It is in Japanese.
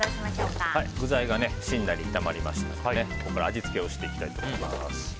具材がしんなり炒まりましたのでここから味付けをしていきたいと思います。